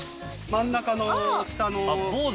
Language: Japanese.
・真ん中の下の・坊主？